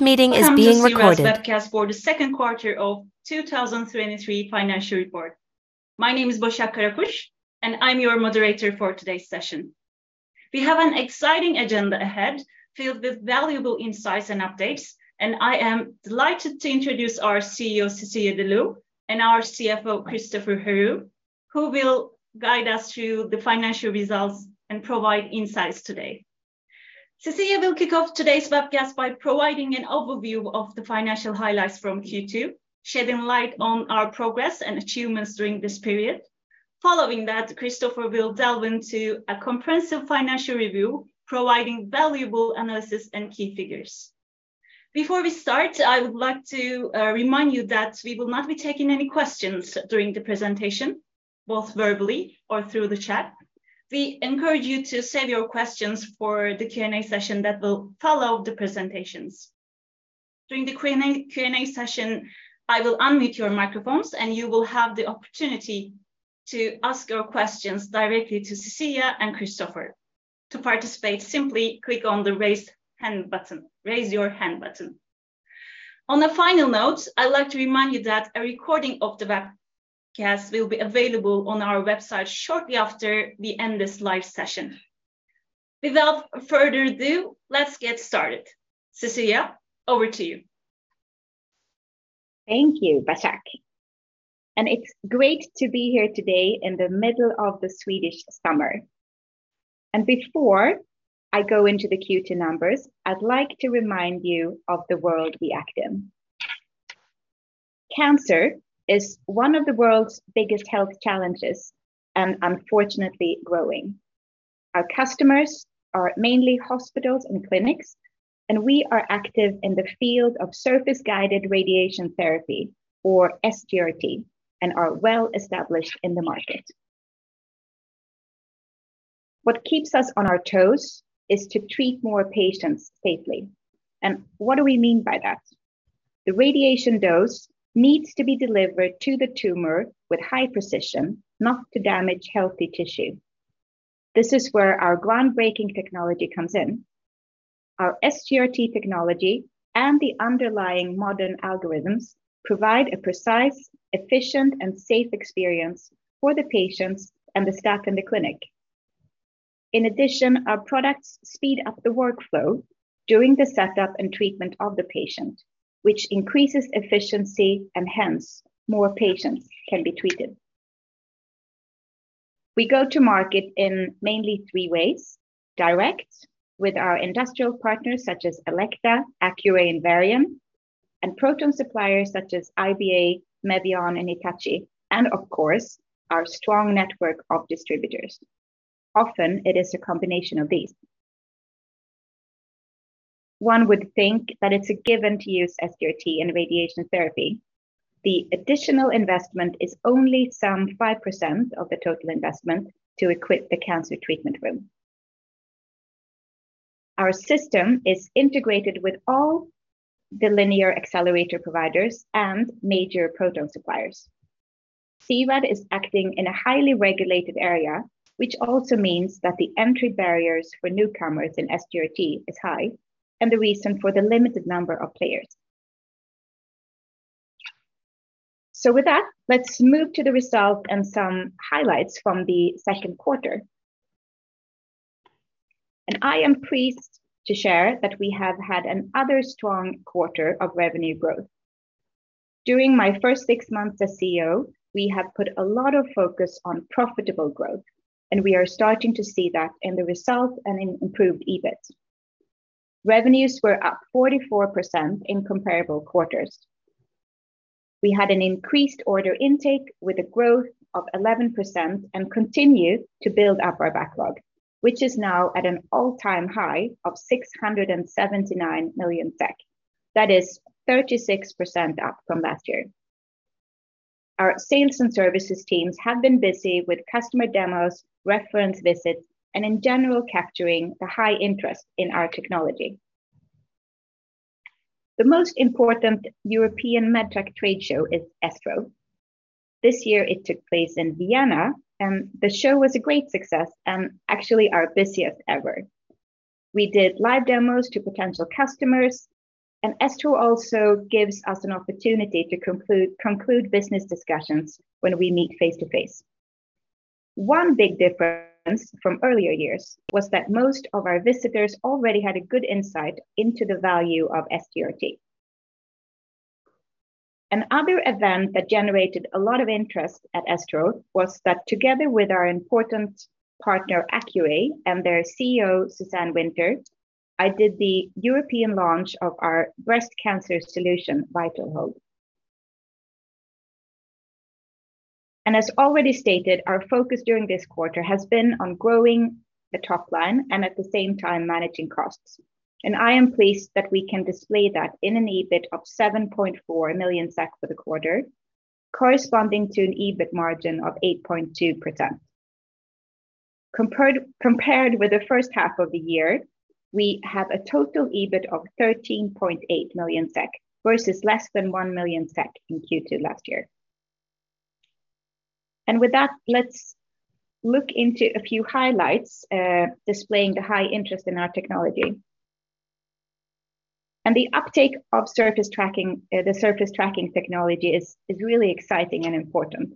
Welcome to C-RAD's webcast for the second quarter of 2023 financial report. My name is Basak Karakus, and I'm your moderator for today's session. We have an exciting agenda ahead, filled with valuable insights and updates, and I am delighted to introduce our CEO, Cecilia de Leeuw, and our CFO, Christoffer Herou, who will guide us through the financial results and provide insights today. Cecilia will kick off today's webcast by providing an overview of the financial highlights from Q2, shedding light on our progress and achievements during this period. Following that, Christoffer will delve into a comprehensive financial review, providing valuable analysis and key figures. Before we start, I would like to remind you that we will not be taking any questions during the presentation, both verbally or through the chat. We encourage you to save your questions for the Q&A session that will follow the presentations. During the Q&A session, I will unmute your microphones, and you will have the opportunity to ask your questions directly to Cecilia and Christoffer. To participate, simply click on the raise your hand button. On a final note, I'd like to remind you that a recording of the webcast will be available on our website shortly after we end this live session. Without further ado, let's get started. Cecilia, over to you. Thank you, Basak. It's great to be here today in the middle of the Swedish summer. Before I go into the Q2 numbers, I'd like to remind you of the world we act in. Cancer is one of the world's biggest health challenges and unfortunately growing. Our customers are mainly hospitals and clinics, and we are active in the field of surface-guided radiation therapy or SGRT, and are well established in the market. What keeps us on our toes is to treat more patients safely. What do we mean by that? The radiation dose needs to be delivered to the tumor with high precision, not to damage healthy tissue. This is where our groundbreaking technology comes in. Our SGRT technology and the underlying modern algorithms provide a precise, efficient, and safe experience for the patients and the staff in the clinic. In addition, our products speed up the workflow during the setup and treatment of the patient, which increases efficiency and hence, more patients can be treated. We go to market in mainly three ways: direct with our industrial partners such as Elekta, Accuray, and Varian, and proton suppliers such as IBA, Mevion, and Hitachi, and of course, our strong network of distributors. Often, it is a combination of these. One would think that it's a given to use SGRT in radiation therapy. The additional investment is only some 5% of the total investment to equip the cancer treatment room. Our system is integrated with all the linear accelerator providers and major proton suppliers. C-RAD is acting in a highly regulated area, which also means that the entry barriers for newcomers in SGRT is high and the reason for the limited number of players. With that, let's move to the results and some highlights from the second quarter. I am pleased to share that we have had another strong quarter of revenue growth. During my first six months as CEO, we have put a lot of focus on profitable growth, and we are starting to see that in the results and in improved EBIT. Revenues were up 44% in comparable quarters. We had an increased order intake with a growth of 11% and continue to build up our backlog, which is now at an all-time high of 679 million. That is 36% up from last year. Our sales and services teams have been busy with customer demos, reference visits, and in general, capturing the high interest in our technology. The most important European MedTech trade show is ESTRO. This year it took place in Vienna, and the show was a great success and actually our busiest ever. We did live demos to potential customers, and ESTRO also gives us an opportunity to conclude business discussions when we meet face-to-face. One big difference from earlier years was that most of our visitors already had a good insight into the value of SGRT. Another event that generated a lot of interest at ESTRO was that together with our important partner, Accuray, and their CEO, Suzanne Winter, I did the European launch of our breast cancer solution, VitalHold. As already stated, our focus during this quarter has been on growing the top line and at the same time, managing costs. I am pleased that we can display that in an EBIT of 7.4 million for the quarter, corresponding to an EBIT margin of 8.2%. Compared with the first half of the year, we have a total EBIT of 13.8 million SEK, versus less than 1 million SEK in Q2 last year. With that, let's look into a few highlights, displaying the high interest in our technology. The uptake of surface tracking, the surface tracking technology is really exciting and important.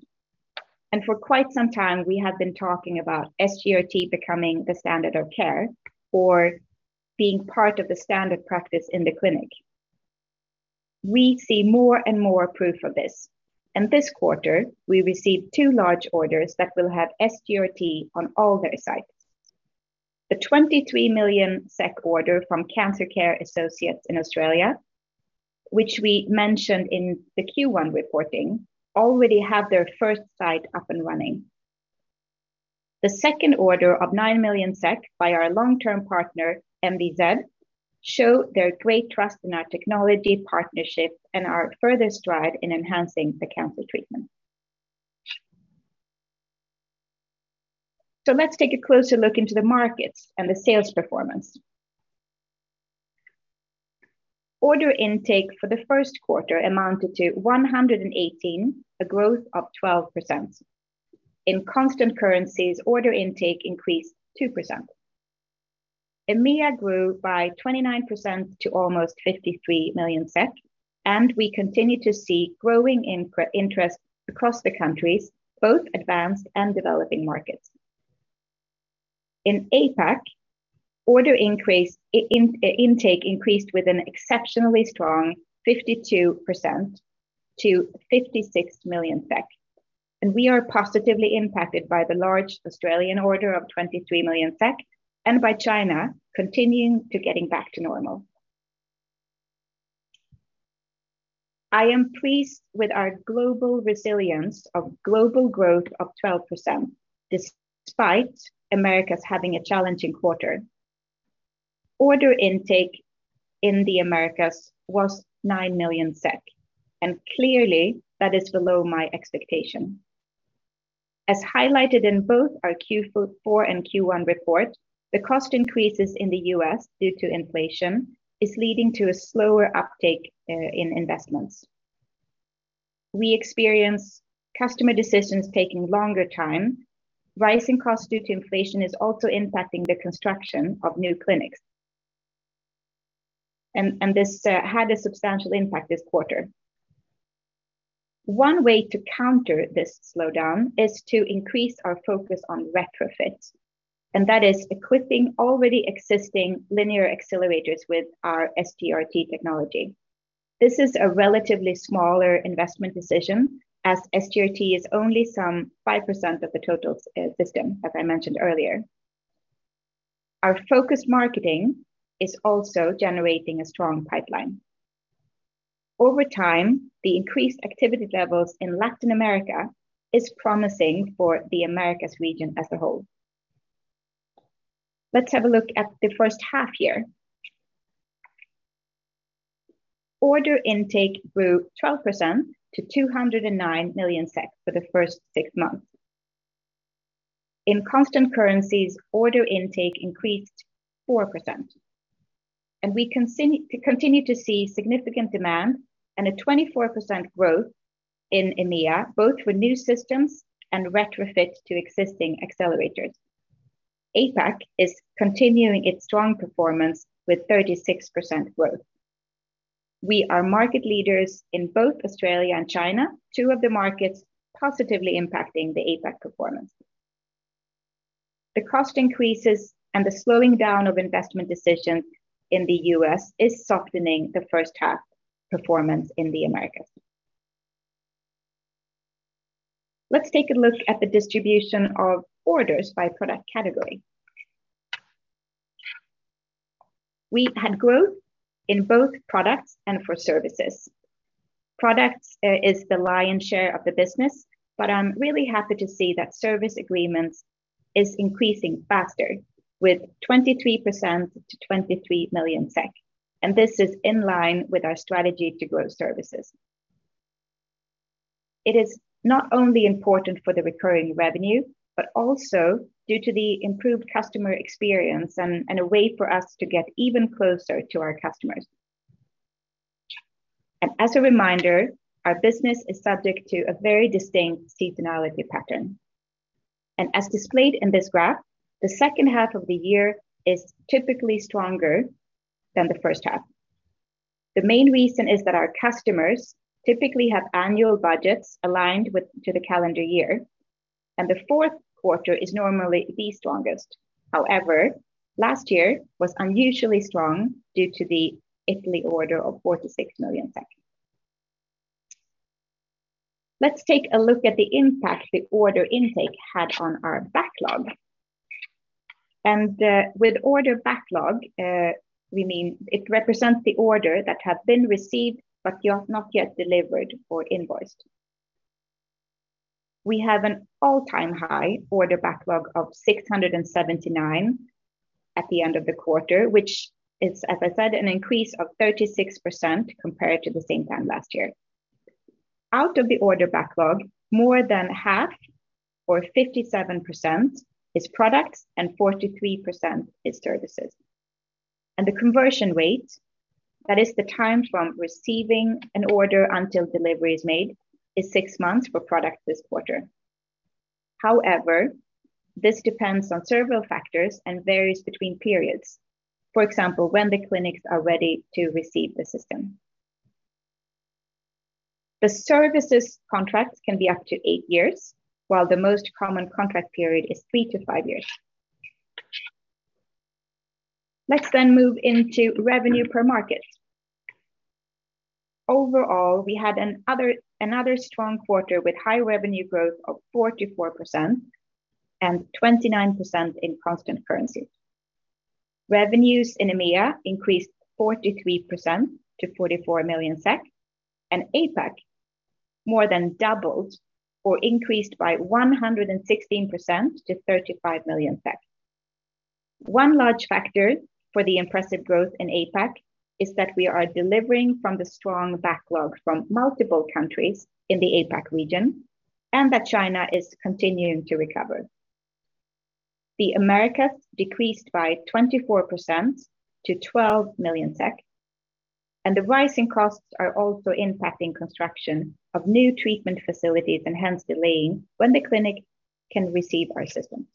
For quite some time, we have been talking about SGRT becoming the standard of care or being part of the standard practice in the clinic. We see more and more proof of this, and this quarter, we received two large orders that will have SGRT on all their sites. The 23 million SEK order from Cancer Care Associates in Australia, which we mentioned in the Q1 reporting, already have their first site up and running. The second order of 9 million SEK by our long-term partner, MVZ, show their great trust in our technology partnership and our further stride in enhancing the cancer treatment. Let's take a closer look into the markets and the sales performance. Order intake for the first quarter amounted to 118, a growth of 12%. In constant currencies, order intake increased 2%. EMEA grew by 29% to almost 53 million SEK, We continue to see growing interest across the countries, both advanced and developing markets. In APAC, order increase, intake increased with an exceptionally strong 52% to 56 million, and we are positively impacted by the large Australian order of 23 million SEK and by China continuing to getting back to normal. I am pleased with our global resilience of global growth of 12%, despite Americas having a challenging quarter. Order intake in the Americas was 9 million SEK, and clearly that is below my expectation. As highlighted in both our Q4 and Q1 report, the cost increases in the U.S. due to inflation is leading to a slower uptake in investments. We experience customer decisions taking longer time. Rising cost due to inflation is also impacting the construction of new clinics. This had a substantial impact this quarter. One way to counter this slowdown is to increase our focus on retrofits, and that is equipping already existing linear accelerators with our SGRT technology. This is a relatively smaller investment decision, as SGRT is only some 5% of the total system, as I mentioned earlier. Our focused marketing is also generating a strong pipeline. Over time, the increased activity levels in Latin America is promising for the Americas region as a whole. Let's have a look at the first half year. Order intake grew 12% to 209 million for the first six months. In constant currencies, order intake increased 4%, and we continue to see significant demand and a 24% growth in EMEA, both with new systems and retrofit to existing accelerators. APAC is continuing its strong performance with 36% growth. We are market leaders in both Australia and China, two of the markets positively impacting the APAC performance. The cost increases and the slowing down of investment decisions in the U.S. is softening the first half performance in the Americas. Let's take a look at the distribution of orders by product category. We had growth in both products and for services. Products is the lion's share of the business, but I'm really happy to see that service agreements is increasing faster with 23% to 23 million SEK, and this is in line with our strategy to grow services. It is not only important for the recurring revenue, but also due to the improved customer experience and a way for us to get even closer to our customers. As a reminder, our business is subject to a very distinct seasonality pattern. As displayed in this graph, the second half of the year is typically stronger than the first half. The main reason is that our customers typically have annual budgets aligned to the calendar year, and the fourth quarter is normally the strongest. However, last year was unusually strong due to the Italy order of 46 million. Let's take a look at the impact the order intake had on our backlog. With order backlog, we mean it represents the order that have been received but you have not yet delivered or invoiced. We have an all-time high order backlog of 679 at the end of the quarter, which is, as I said, an increase of 36% compared to the same time last year. Out of the order backlog, more than half, or 57%, is products and 43% is services. The conversion rate, that is the time from receiving an order until delivery is made, is six months for product this quarter. However, this depends on several factors and varies between periods. For example, when the clinics are ready to receive the system. The services contracts can be up to eight years, while the most common contract period is three to five years. Let's move into revenue per market. Overall, we had another strong quarter with high revenue growth of 44% and 29% in constant currency. Revenues in EMEA increased 43% to 44 million SEK, and APAC more than doubled or increased by 116% to 35 million. One large factor for the impressive growth in APAC is that we are delivering from the strong backlog from multiple countries in the APAC region, and that China is continuing to recover. The Americas decreased by 24% to 12 million SEK, the rising costs are also impacting construction of new treatment facilities and hence delaying when the clinic can receive our system.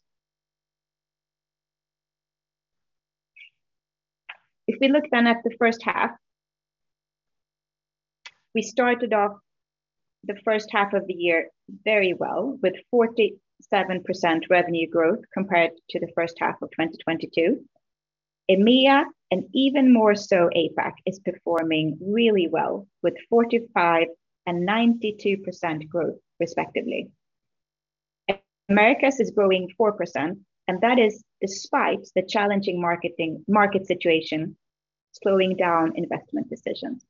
If we look then at the first half, we started off the first half of the year very well, with 47% revenue growth compared to the first half of 2022. EMEA, and even more so, APAC, is performing really well, with 45% and 92% growth, respectively. Americas is growing 4%, that is despite the challenging market situation slowing down investment decisions.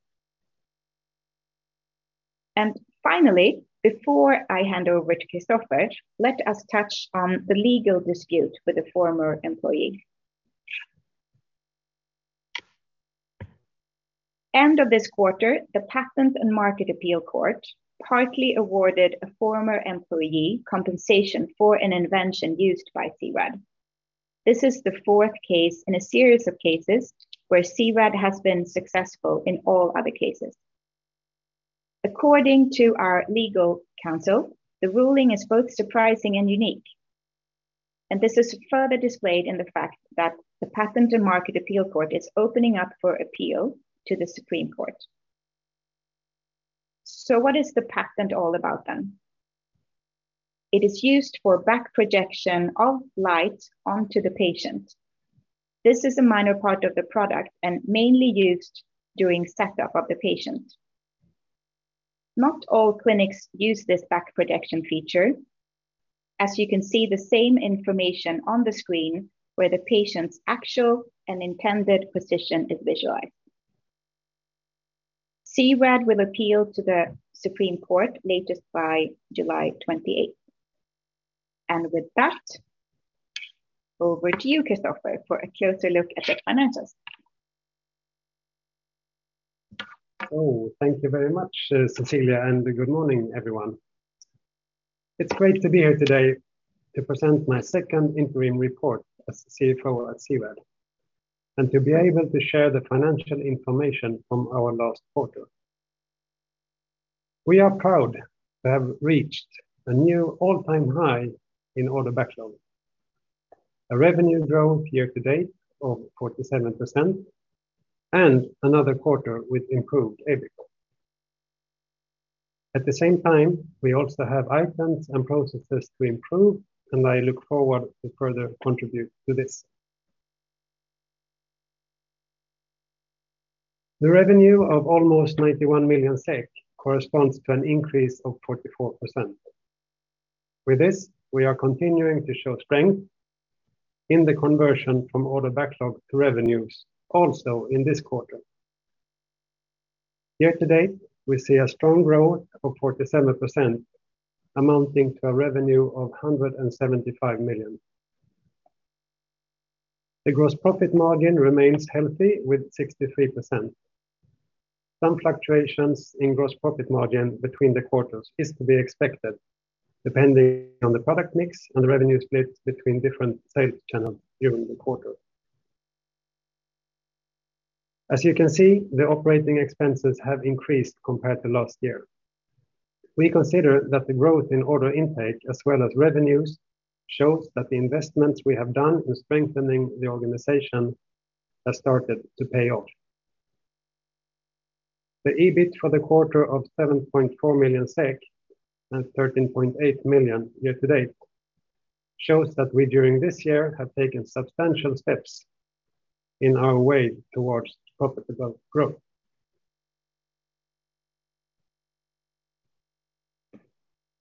Finally, before I hand over to Christoffer, let us touch on the legal dispute with a former employee. End of this quarter, the Patent and Market Court of Appeal partly awarded a former employee compensation for an invention used by C-RAD. This is the fourth case in a series of cases where C-RAD has been successful in all other cases. According to our legal counsel, the ruling is both surprising and unique, this is further displayed in the fact that the Patent and Market Court of Appeal is opening up for appeal to the Supreme Court. What is the patent all about then? It is used for back projection of light onto the patient. This is a minor part of the product and mainly used during setup of the patient. Not all clinics use this back projection feature, as you can see the same information on the screen where the patient's actual and intended position is visualized. C-RAD will appeal to the Supreme Court latest by July 28th. With that, over to you, Christoffer, for a closer look at the finances. Oh, thank you very much, Cecilia, and good morning, everyone. It's great to be here today to present my second interim report as CFO at C-RAD, and to be able to share the financial information from our last quarter. We are proud to have reached a new all-time high in order backlog, a revenue growth year-to-date of 47%, and another quarter with improved EBITDA. At the same time, we also have items and processes to improve, and I look forward to further contribute to this. The revenue of almost 91 million SEK corresponds to an increase of 44%. With this, we are continuing to show strength in the conversion from order backlog to revenues also in this quarter. Year-to-date, we see a strong growth of 47%, amounting to a revenue of 175 million. The gross profit margin remains healthy with 63%. Some fluctuations in gross profit margin between the quarters is to be expected, depending on the product mix and the revenue split between different sales channels during the quarter. As you can see, the operating expenses have increased compared to last year. We consider that the growth in order intake, as well as revenues, shows that the investments we have done in strengthening the organization have started to pay off. The EBIT for the quarter of 7.4 million SEK and 13.8 million year-to-date shows that we, during this year, have taken substantial steps in our way towards profitable growth.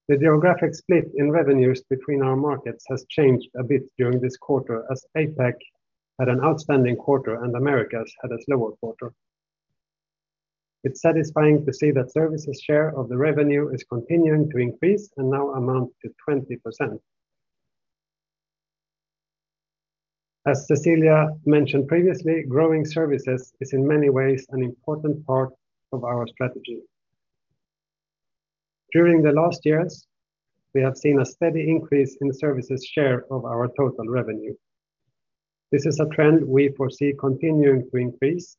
The geographic split in revenues between our markets has changed a bit during this quarter, as APAC had an outstanding quarter and Americas had a slower quarter. It's satisfying to see that services share of the revenue is continuing to increase and now amount to 20%. As Cecilia de Leeuw mentioned previously, growing services is in many ways an important part of our strategy. During the last years, we have seen a steady increase in services share of our total revenue. This is a trend we foresee continuing to increase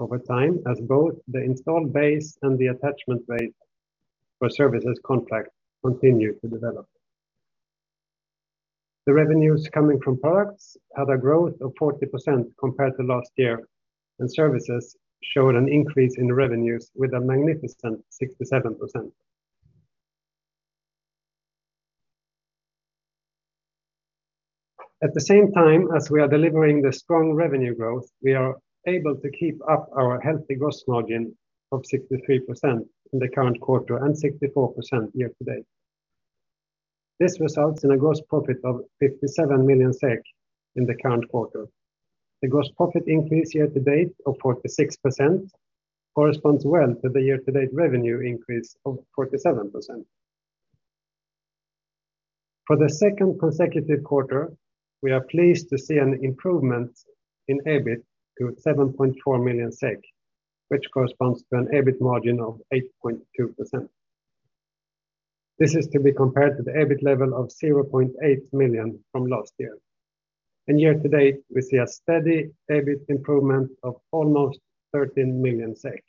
over time as both the installed base and the attachment rate for services contract continue to develop. The revenues coming from products had a growth of 40% compared to last year, and services showed an increase in the revenues with a magnificent 67%. At the same time as we are delivering the strong revenue growth, we are able to keep up our healthy gross margin of 63% in the current quarter and 64% year to date. This results in a gross profit of 57 million SEK in the current quarter. The gross profit increase year-to-date of 46% corresponds well to the year-to-date revenue increase of 47%. For the second consecutive quarter, we are pleased to see an improvement in EBIT to 7.4 million SEK, which corresponds to an EBIT margin of 8.2%. This is to be compared to the EBIT level of 0.8 million from last year, and year-to-date, we see a steady EBIT improvement of almost 13 million SEK.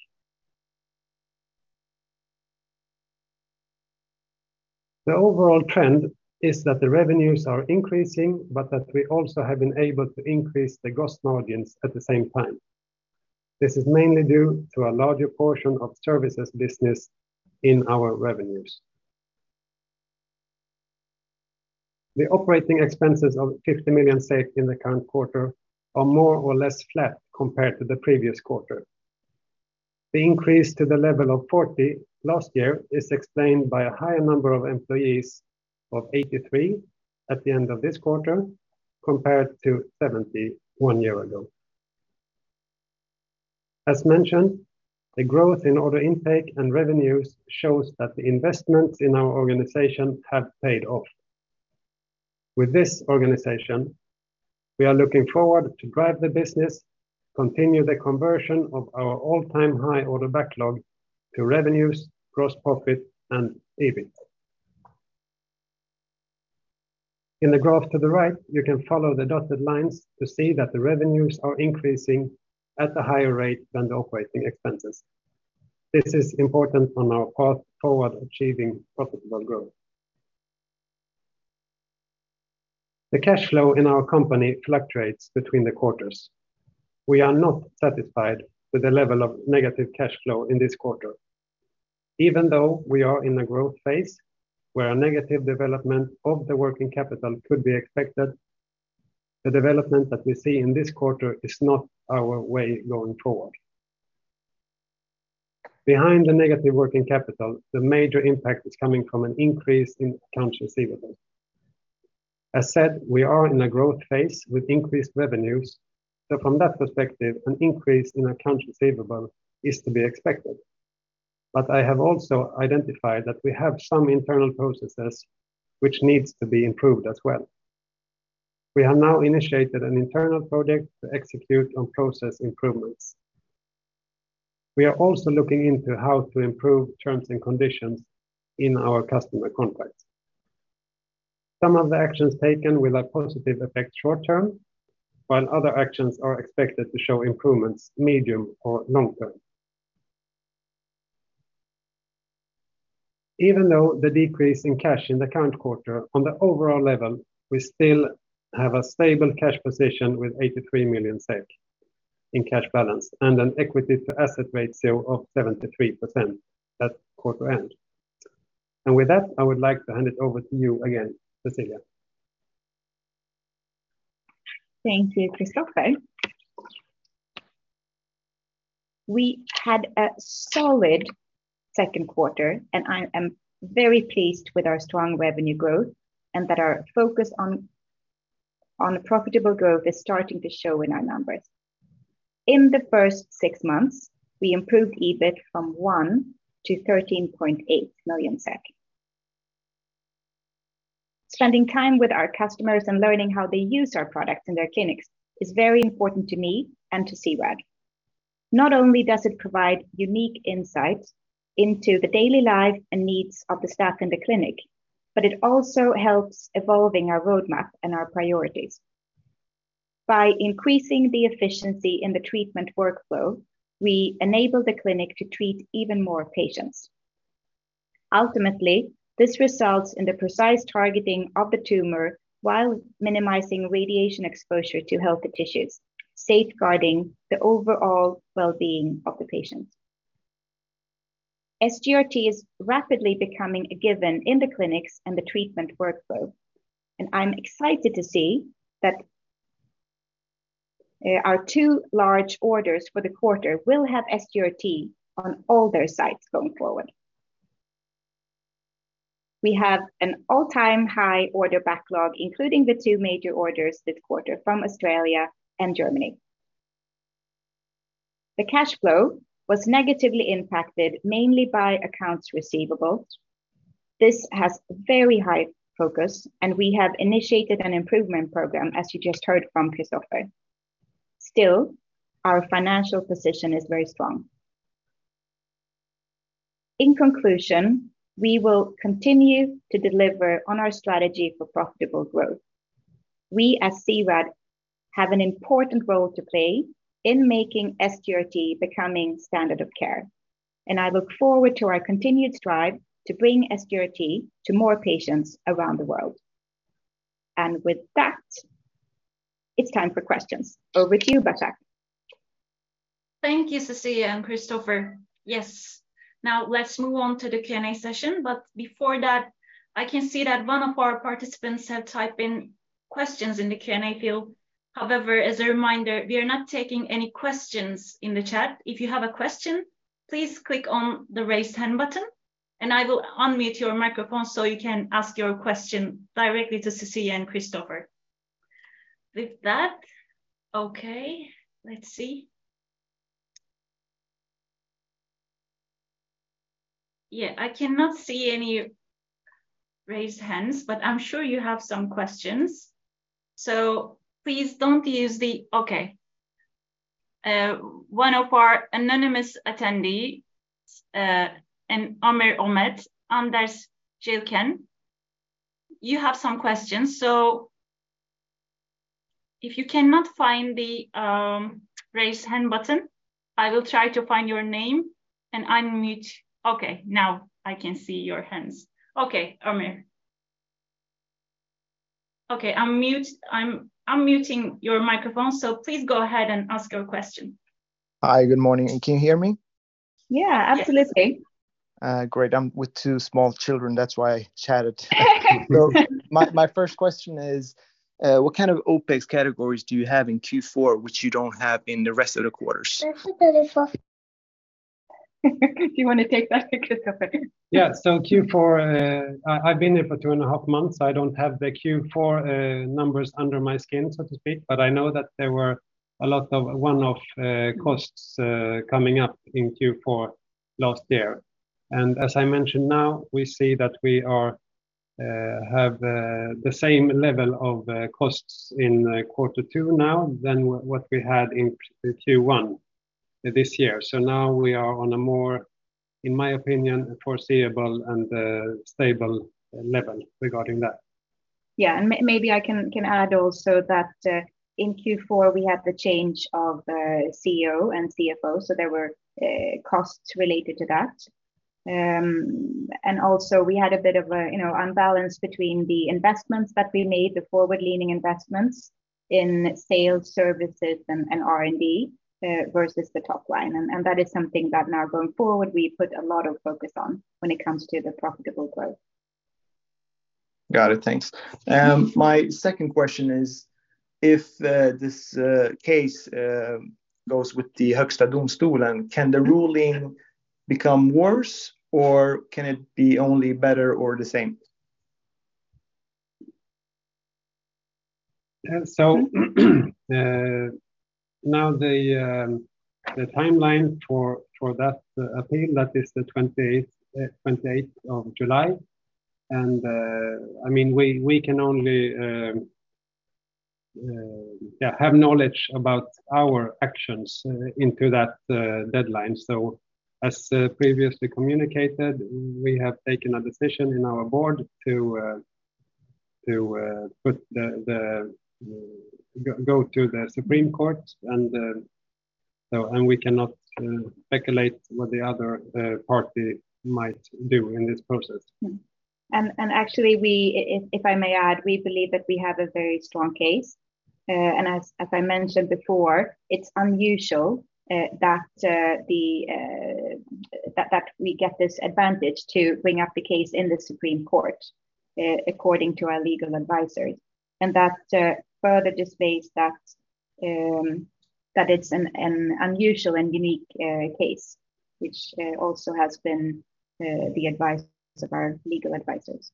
The overall trend is that the revenues are increasing, but that we also have been able to increase the gross margins at the same time. This is mainly due to a larger portion of services business in our revenues. The operating expenses of 50 million in the current quarter are more or less flat compared to the previous quarter. The increase to the level of 40 last year is explained by a higher number of employees of 83 at the end of this quarter, compared to 70 one year ago. As mentioned, the growth in order intake and revenues shows that the investments in our organization have paid off. With this organization, we are looking forward to drive the business, continue the conversion of our all-time high order backlog to revenues, gross profit and EBIT. In the graph to the right, you can follow the dotted lines to see that the revenues are increasing at a higher rate than the operating expenses. This is important on our path forward achieving profitable growth. The cash flow in our company fluctuates between the quarters. We are not satisfied with the level of negative cash flow in this quarter. Even though we are in a growth phase where a negative development of the working capital could be expected, the development that we see in this quarter is not our way going forward. Behind the negative working capital, the major impact is coming from an increase in accounts receivable. As said, we are in a growth phase with increased revenues, so from that perspective, an increase in accounts receivable is to be expected. I have also identified that we have some internal processes which needs to be improved as well. We have now initiated an internal project to execute on process improvements. We are also looking into how to improve terms and conditions in our customer contracts. Some of the actions taken will have positive effect short term, while other actions are expected to show improvements medium or long term. Even though the decrease in cash in the current quarter, on the overall level, we still have a stable cash position with 83 million in cash balance and an equity to asset ratio of 73% at quarter end. With that, I would like to hand it over to you again, Cecilia. Thank you, Christoffer. We had a solid second quarter, and I am very pleased with our strong revenue growth and that our focus on profitable growth is starting to show in our numbers. In the first six months, we improved EBIT from 1 to 13.8 million SEK. Spending time with our customers and learning how they use our products in their clinics is very important to me and to C-RAD. Not only does it provide unique insights into the daily life and needs of the staff in the clinic, but it also helps evolving our roadmap and our priorities. By increasing the efficiency in the treatment workflow, we enable the clinic to treat even more patients. Ultimately, this results in the precise targeting of the tumor while minimizing radiation exposure to healthy tissues, safeguarding the overall well-being of the patient. SGRT is rapidly becoming a given in the clinics and the treatment workflow, and I'm excited to see that our two large orders for the quarter will have SGRT on all their sites going forward. We have an all-time high order backlog, including the two major orders this quarter from Australia and Germany. The cash flow was negatively impacted, mainly by accounts receivable. This has very high focus, and we have initiated an improvement program, as you just heard from Christoffer. Still, our financial position is very strong. In conclusion, we will continue to deliver on our strategy for profitable growth. We at C-RAD have an important role to play in making SGRT becoming standard of care, and I look forward to our continued strive to bring SGRT to more patients around the world. With that, it's time for questions. Over to you, Basak. Thank you, Cecilia and Christoffer. Yes. Let's move on to the Q&A session. Before that, I can see that one of our participants have typed in questions in the Q&A field. As a reminder, we are not taking any questions in the chat. If you have a question, please click on the raise hand button. I will unmute your microphone, so you can ask your question directly to Cecilia and Christoffer. With that, let's see. I cannot see any raised hands. I'm sure you have some questions. Please don't use the. One of our anonymous attendee, Amir Ahmed, Anders Jølkby, you have some questions. If you cannot find the Raise Hand button, I will try to find your name and unmute. Now I can see your hands. Amir. Unmute. I'm unmuting your microphone, so please go ahead and ask your question. Hi, good morning. Can you hear me? Yeah, absolutely. Great. I'm with two small children, that's why I chatted. My first question is, what kind of OpEx categories do you have in Q4, which you don't have in the rest of the quarters? Do you want to take that, Christoffer? Yeah. Q4, I've been here for 2.5 months, so I don't have the Q4 numbers under my skin, so to speak, but I know that there were a lot of one-off costs coming up in Q4 last year. As I mentioned, now we see that we are have the same level of costs in Q2 now than what we had in Q1 this year. Now we are on a more, in my opinion, foreseeable and stable level regarding that. Yeah, maybe I can add also that, in Q4, we had the change of CEO and CFO, so there were costs related to that. Also, we had a bit of a, you know, unbalance between the investments that we made, the forward-leaning investments in sales, services, and R&D, versus the top line. That is something that now going forward, we put a lot of focus on when it comes to the profitable growth. Got it. Thanks. My second question is, if this case goes with the Högsta domstolen, can the ruling become worse, or can it be only better or the same? Now the timeline for that appeal, that is the 28th of July. I mean, we can only, yeah, have knowledge about our actions into that deadline. As previously communicated, we have taken a decision in our board to put the go to the Supreme Court, and so and we cannot speculate what the other party might do in this process. Actually, if I may add, we believe that we have a very strong case. As I mentioned before, it's unusual that the that we get this advantage to bring up the case in the Supreme Court, according to our legal advisors. That further displays that it's an unusual and unique case, which also has been the advice of our legal advisors.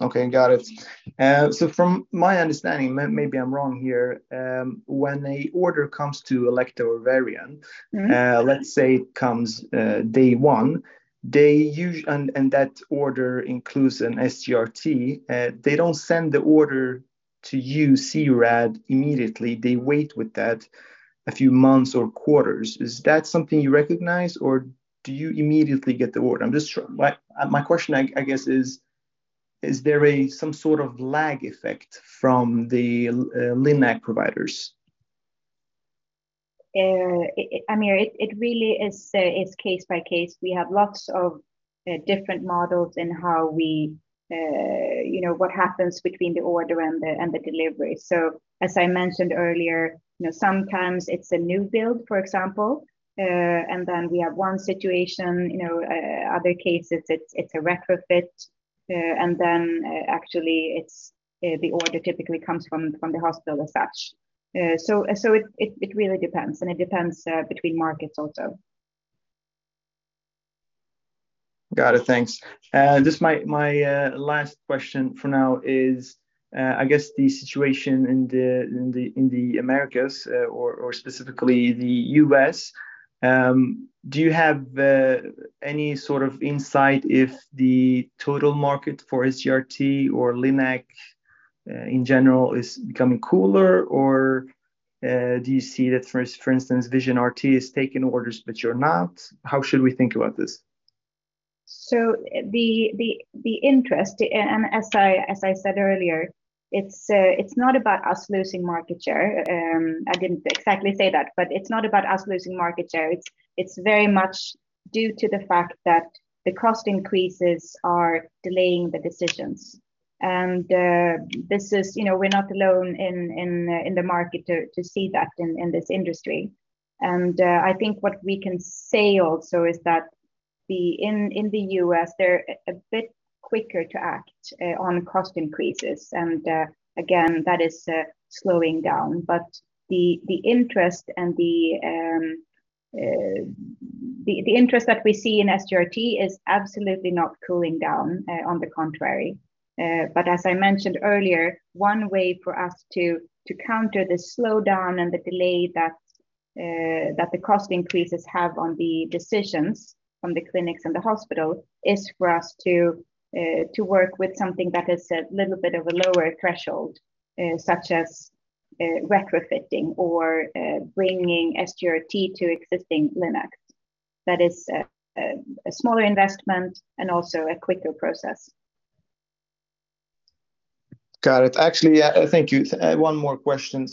Okay, got it. From my understanding, maybe I'm wrong here, when a order comes to Elekta or Varian. Mm-hmm. Let's say it comes, day one, that order includes an SGRT, they don't send the order to you, C-RAD, immediately. They wait with that a few months or quarters. Is that something you recognize, or do you immediately get the order? My question, I guess is there a some sort of lag effect from the LINAC providers? Amir, it really is case by case. We have lots of different models in how we, you know, what happens between the order and the delivery. As I mentioned earlier, you know, sometimes it's a new build, for example, then we have one situation, you know, other cases, it's a retrofit, then, actually, it's the order typically comes from the hospital as such. It really depends, and it depends between markets also. Got it, thanks. Just my last question for now is, I guess, the situation in the Americas, or specifically the U.S. Do you have any sort of insight if the total market for SGRT or LINAC, in general, is becoming cooler? Do you see that, for instance, Vision RT is taking orders, but you're not? How should we think about this? The interest, and as I said earlier, it's not about us losing market share. I didn't exactly say that, but it's not about us losing market share. It's very much due to the fact that the cost increases are delaying the decisions. You know, we're not alone in the market to see that in this industry. I think what we can say also is that in the U.S., they're a bit quicker to act on cost increases, and again, that is slowing down. The interest and the interest that we see in SGRT is absolutely not cooling down, on the contrary. As I mentioned earlier, one way for us to counter the slowdown and the delay that the cost increases have on the decisions from the clinics and the hospital, is for us to work with something that is a little bit of a lower threshold, such as retrofitting or bringing SGRT to existing LINAC. That is a smaller investment and also a quicker process. Got it. Actually, yeah, thank you. One more question.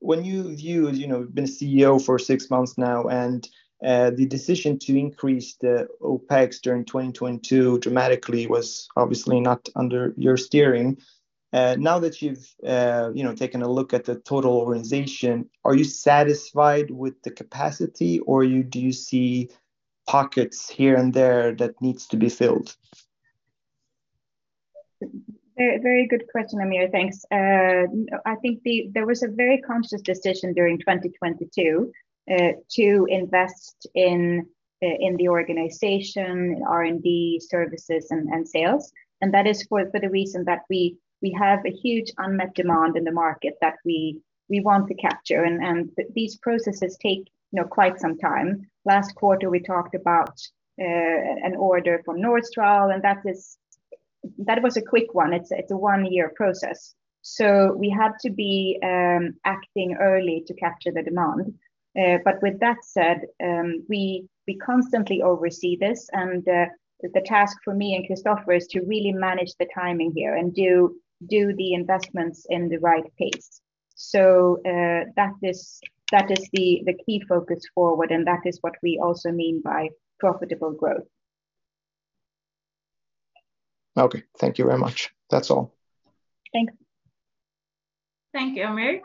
When you view, as you know, been a CEO for six months now, and the decision to increase the OpEx during 2022 dramatically was obviously not under your steering. Now that you've, you know, taken a look at the total organization, are you satisfied with the capacity, or do you see pockets here and there that needs to be filled? Very good question, Amir. Thanks. I think there was a very conscious decision during 2022 to invest in the organization, R&D services, and sales, and that is for the reason that we have a huge unmet demand in the market that we want to capture, and these processes take, you know, quite some time. Last quarter, we talked about an order from Nordstrahl, and that was a quick one. It's a one-year process, so we had to be acting early to capture the demand. With that said, we constantly oversee this, and the task for me and Christoffer is to really manage the timing here and do the investments in the right pace. That is the key focus forward, and that is what we also mean by profitable growth. Okay. Thank you very much. That's all. Thanks. Thank you, Amir.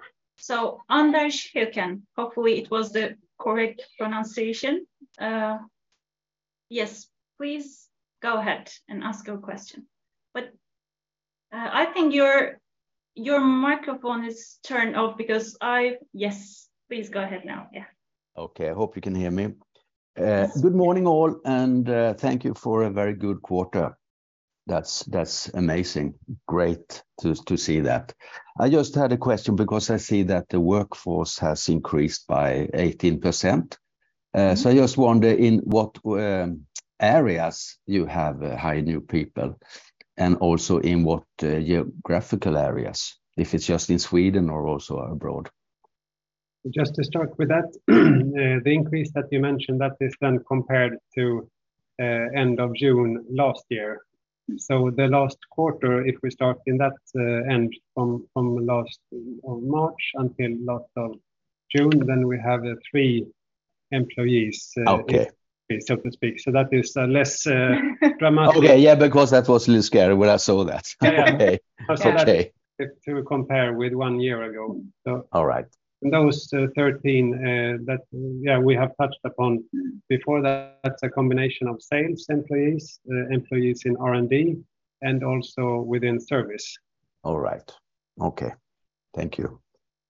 Anders Jolkby, hopefully it was the correct pronunciation. Yes, please go ahead and ask your question. I think your microphone is turned off. Yes, please go ahead now. Yeah. Okay, I hope you can hear me. Yes. Good morning, all, and thank you for a very good quarter. That's amazing. Great to see that. I just had a question because I see that the workforce has increased by 18%. I just wonder, in what areas you have hired new people, and also in what geographical areas, if it's just in Sweden or also abroad? Just to start with that, the increase that you mentioned, that is then compared to, end of June last year. The last quarter, if we start in that, end from last of March until last of June, then we have three employees- Okay -so to speak. That is, less- Okay, yeah, because that was a little scary when I saw that. Yeah. Okay. Okay. To compare with one year ago. All right. -those 13 that we have touched upon before that's a combination of sales employees in R&D, and also within service. All right. Okay. Thank you.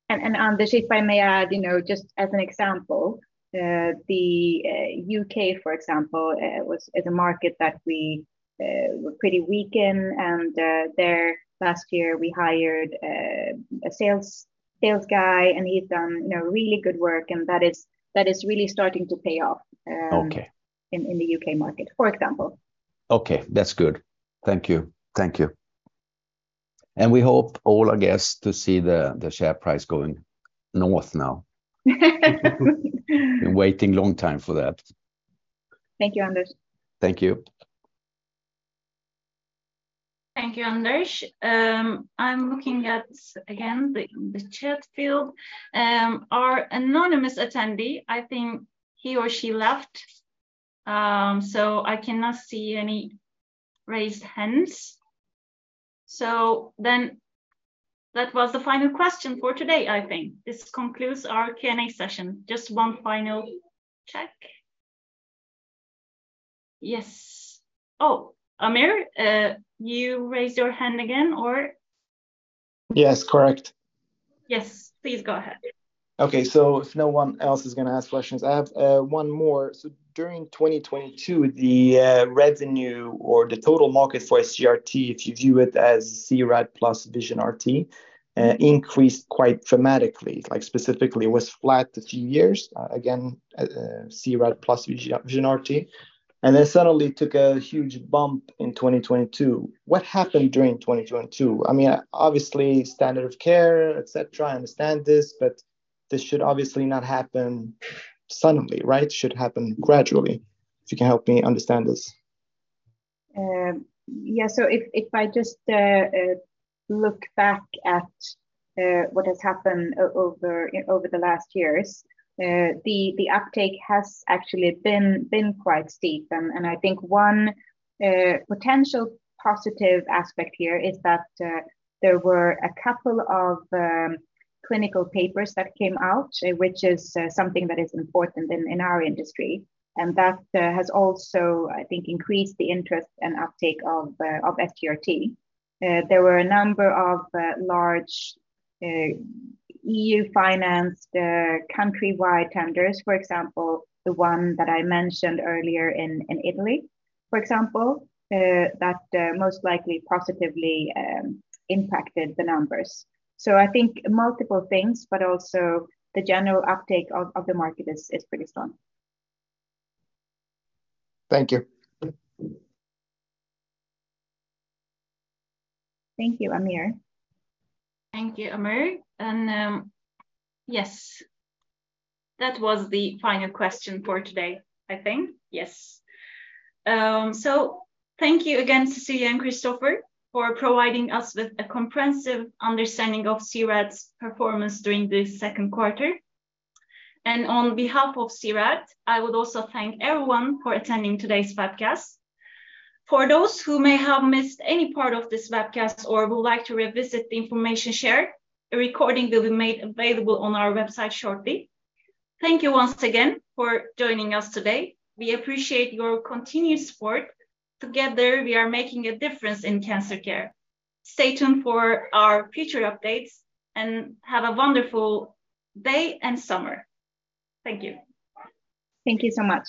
Anders, if I may add, you know, just as an example, the U.K., for example, was, is a market that we were pretty weak in, and there last year, we hired a sales guy, and he's done, you know, really good work, and that is really starting to pay off- Okay -in the U.K. market, for example. Okay. That's good. Thank you. Thank you, we hope all our guests to see the share price going north now. Been waiting long time for that. Thank you, Anders. Thank you. Thank you, Anders. I'm looking at, again, the chat field. Our anonymous attendee, I think he or she left, so I cannot see any raised hands. That was the final question for today, I think. This concludes our Q&A session. Just one final check. Yes. Oh, Amir, you raised your hand again, or- Yes, correct. Yes, please go ahead. Okay, if no one else is going to ask questions, I have one more. During 2022, the revenue or the total market for SGRT, if you view it as C-RAD plus Vision RT, increased quite dramatically. Like, specifically, it was flat a few years, again, C-RAD plus Vision RT, and then suddenly took a huge bump in 2022. What happened during 2022? I mean, obviously, standard of care, et cetera, I understand this, but this should obviously not happen suddenly, right? It should happen gradually. If you can help me understand this. Yeah. If I just look back at what has happened over the last years, the uptake has actually been quite steep. I think one potential positive aspect here is that there were a couple of clinical papers that came out, which is something that is important in our industry, and that has also, I think, increased the interest and uptake of SGRT. There were a number of large EU-financed country-wide tenders, for example, the one that I mentioned earlier in Italy, for example, that most likely positively impacted the numbers. I think multiple things, but also the general uptake of the market is pretty strong. Thank you. Thank you, Amir. Thank you, Amir. Yes, that was the final question for today, I think. Yes. Thank you again, Cecilia and Christoffer, for providing us with a comprehensive understanding of C-RAD's performance during the second quarter. On behalf of C-RAD, I would also thank everyone for attending today's webcast. For those who may have missed any part of this webcast or would like to revisit the information shared, a recording will be made available on our website shortly. Thank you once again for joining us today. We appreciate your continued support. Together, we are making a difference in cancer care. Stay tuned for our future updates, and have a wonderful day and summer. Thank you. Thank you so much.